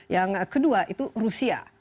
yang kedua itu rusia